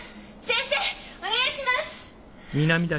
先生お願いします！